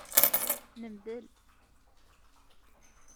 Nemdel.